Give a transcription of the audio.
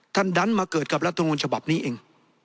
ท่านดันมาเกิดกับรัฐนวลฉบับนี้เอง